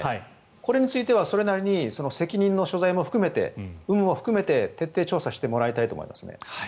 これについてはそれなりに責任の所在も含めて有無を含めて徹底調査してもらいたいと思いますね。